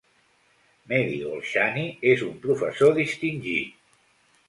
Mehdi Golshani és un professor distingit.